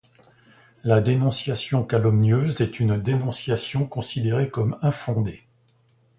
La dénonciation calomnieuse est une dénonciation considérée comme infondée.